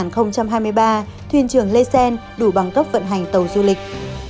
thuyền trưởng lê sen đủ bằng cấp vận hành tàu du lịch